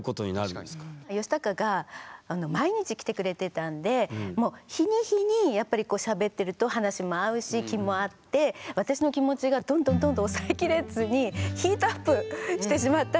ヨシタカが毎日来てくれてたんでもう日に日にやっぱりこうしゃべってると話も合うし気も合って私の気持ちがどんどんどんどん抑えきれずにヒートアップしてしまったんですよ。